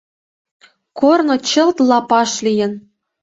Корно чылт лапаш лийын.